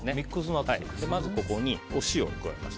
まずここにお塩を加えます。